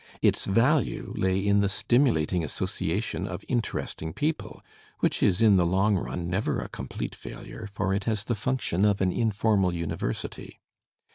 Its value lay in the stimulating association of interesting people, which is in the long run never a com plete failure, for it has the function of an informal university.